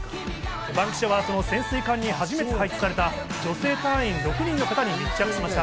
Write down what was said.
『バンキシャ！』はその潜水艦に初めて配置された女性隊員６人に密着しました。